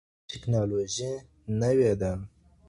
ټکنالوژي نوې ده.